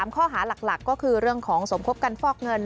ข้อหาหลักก็คือเรื่องของสมคบกันฟอกเงิน